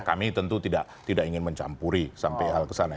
kami tentu tidak ingin mencampuri sampai hal kesana